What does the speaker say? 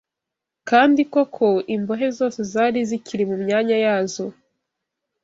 Kandi koko, imbohe zose zari zikiri mu myanya yazo